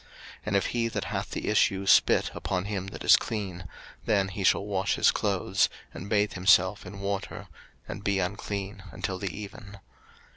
03:015:008 And if he that hath the issue spit upon him that is clean; then he shall wash his clothes, and bathe himself in water, and be unclean until the even.